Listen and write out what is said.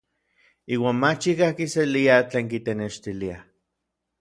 Iuan mach ikaj kiselia tlen kitenextilia.